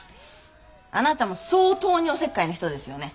あなたも相当におせっかいな人ですよね。